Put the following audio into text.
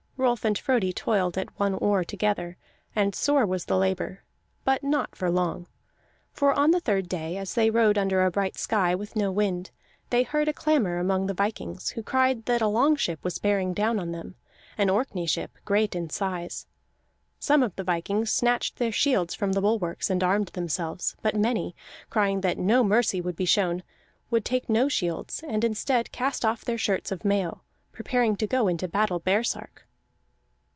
Rolf and Frodi toiled at one oar together, and sore was the labor, but not for long. For on the third day, as they rowed under a bright sky with no wind, they heard a clamor among the vikings, who cried that a long ship was bearing down on them an Orkney ship, great in size. Some of the vikings snatched their shields from the bulwarks and armed themselves; but many, crying that no mercy would be shown, would take no shields, and instead cast off their shirts of mail, preparing to go into battle baresark.